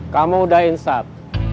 kamu udah insat